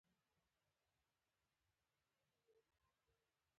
دا هم څرګندوي چې څنګه ممکنه ده.